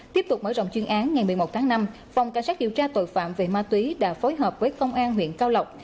tiếp tục mở rộng chuyên án ngày một mươi một tháng năm phòng cảnh sát điều tra tội phạm về ma túy đã phối hợp với công an huyện cao lộc